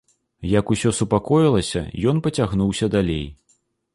Як усё супакоілася, ён пацягнуўся далей.